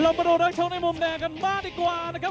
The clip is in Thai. มาดูนักชกในมุมแดงกันบ้างดีกว่านะครับ